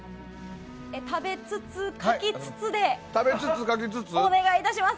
食べつつ、書きつつでお願いします。